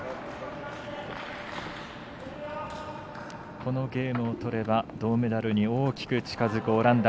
このゲームを取れば銅メダルに大きく近づくオランダ。